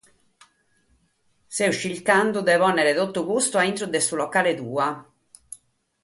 Ses chirchende de pònnere totu custu a intro de su locale tuo.